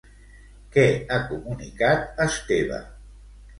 Què ha comunicat, Esteba?